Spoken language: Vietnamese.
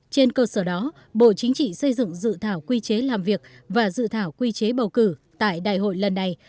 trên cơ sở đó bộ chính trị xây dựng dự thảo quy chế làm việc và dự thảo quy chế bầu cử tại đại hội lần này